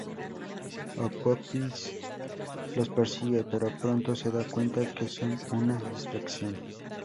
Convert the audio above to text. Apophis los persigue, pero pronto se da cuenta que son una distracción.